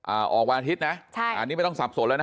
อ่าออกวันอาทิตย์นะใช่อันนี้ไม่ต้องสับสนแล้วนะ